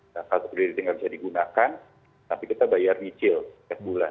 nah kartu kredit nggak bisa digunakan tapi kita bayar kecil set bulan